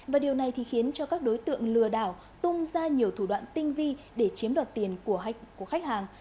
và điều này thì khiến cho các đối tượng lừa đảo tung ra nhiều thủ đoạn tinh vi để chiếm đoạt tiền của khách hàng